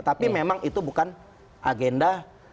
tapi memang itu bukan agenda